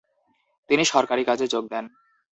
তিনি সরকারি কাজে যোগ দেন।